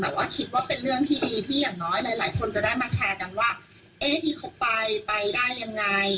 แต่ว่าคิดว่าเป็นเรื่องที่ดีที่อย่างน้อยหลายคนจะได้มาแชร์กันว่าเอ๊ะที่เขาไปไปได้ยังไง